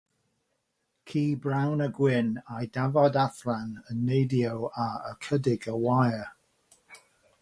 ci brown a gwyn a'i dafod allan yn neidio ar ychydig o wair.